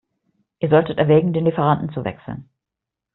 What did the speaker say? Ihr solltet erwägen, den Lieferanten zu wechseln.